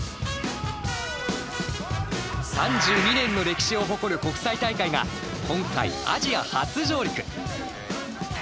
３２年の歴史を誇る国際大会が今回アジア初上陸。